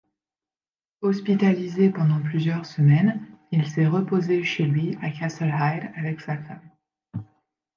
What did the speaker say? Hospitalisé pendant plusieurs semaines, il s'est reposé chez lui à Castlehyde avec sa femme.